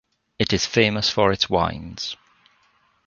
It is famous for its wines.